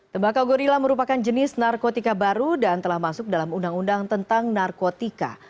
tembakau gorilla merupakan jenis narkotika baru dan telah masuk dalam undang undang tentang narkotika